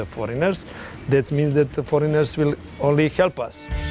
itu artinya pelatih pelatih hanya akan membantu kita